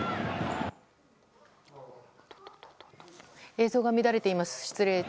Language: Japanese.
映像が乱れています。